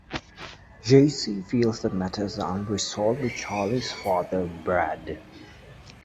Jacey feels that matters are unresolved with Charlie's father, Brad.